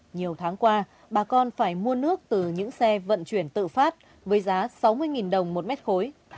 nhiều tháng qua bà con phải mua nước từ những xe vận chuyển tự phát với giá sáu mươi đồng một mét khối